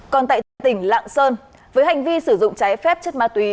còn tại tỉnh lạng sơn với hành vi sử dụng trái phép chất ma túy